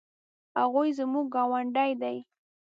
هغوی زموږ ګاونډي دي